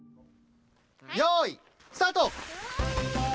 よいスタート！